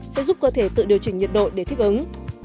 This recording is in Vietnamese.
sẽ giúp cơ thể tự điều chỉnh nhiệt độ để thích ứng